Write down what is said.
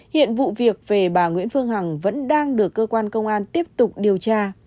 hiện vụ việc về bà nguyễn phương hằng vẫn đang được cơ quan công an tiếp tục điều tra